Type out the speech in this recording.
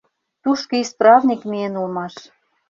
Тушко исправник миен улмаш.